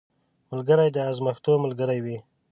ملګری د ازمېښتو ملګری وي